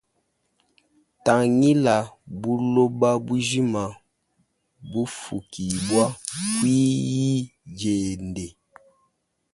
Tangilayi buloba bujima mbufukibwa kui yi diende.